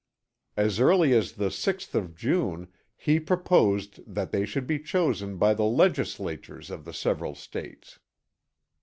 As early as the 6th of June he proposed that they should be chosen by the legislatures of the several States.